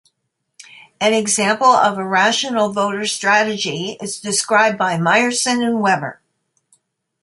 An example of a rational voter strategy is described by Myerson and Weber.